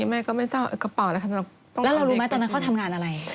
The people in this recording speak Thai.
แม่ก็ไม่ต้องกระเป๋าอะไรค่ะต้องเอาเด็กไปจริงแล้วเรารู้ไหมตอนนั้นเขาทำงานอะไร